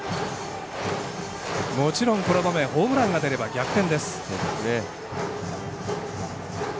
もちろん、この場面ホームランが出れば逆転。